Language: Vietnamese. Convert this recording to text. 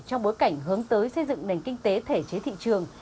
trong bối cảnh hướng tới xây dựng nền kinh tế thể chế thị trường